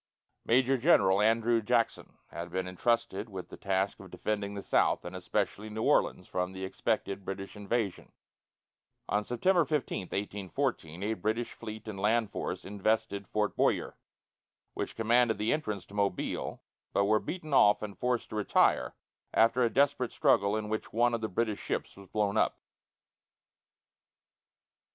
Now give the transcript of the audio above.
Major General Andrew Jackson had been intrusted with the task of defending the South, and especially New Orleans, from the expected British invasion. On September 15, 1814, a British fleet and land force invested Fort Bowyer, which commanded the entrance to Mobile, but were beaten off and forced to retire, after a desperate struggle, in which one of the British ships was blown up.